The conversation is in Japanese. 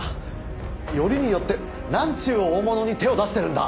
よりによってなんちゅう大物に手を出してるんだ！